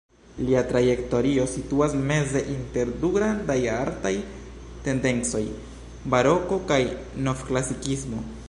Lia trajektorio situas meze inter du grandaj artaj tendencoj: baroko kaj novklasikismo.